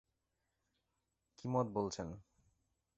কী মত বলছেন?